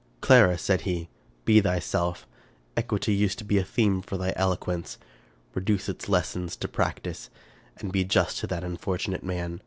*' Clara !" said he, " be thyself. Equity used to be a theme for thy eloquence. Reduce its lessons to practice, and be just to that unfortunate man.